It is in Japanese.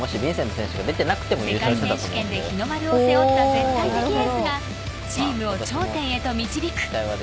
世界選手権で日の丸を背負った絶対的エースがチームを頂点へと導く。